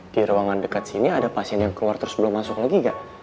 di ruangan dekat sini ada pasien yang keluar terus belum masuk lagi nggak